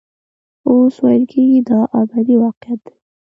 اوس ویل کېږي دا ابدي واقعیت دی.